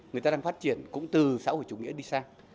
người ta đang phát triển cũng từ xã hội chủ nghĩa đi sang